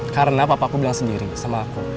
karena papa aku bilang sendiri sama aku